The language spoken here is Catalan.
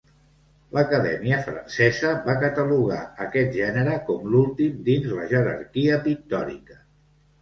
L'Acadèmia francesa va catalogar aquest gènere com l'últim dins la jerarquia pictòrica.